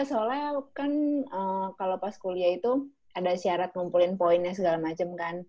soalnya kan kalo pas kuliah itu ada syarat ngumpulin poinnya segala macem kan